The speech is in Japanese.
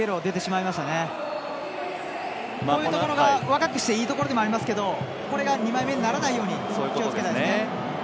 こういうところが若くしていいところでもありますがこれが２枚目にならないよう気をつけないと。